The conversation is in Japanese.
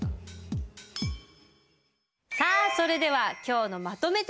さあそれでは今日のまとめテストです。